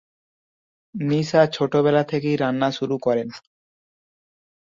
নিশা ছোটবেলা থেকেই রান্না শুরু করেন।